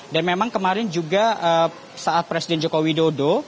dan memang kemarin juga saat presiden joko widodo